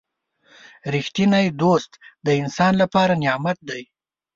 • رښتینی دوست د انسان لپاره نعمت دی.